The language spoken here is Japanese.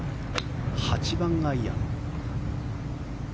８番アイアン。